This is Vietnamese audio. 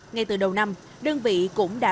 ngay từ đầu năm đơn vị cũng đã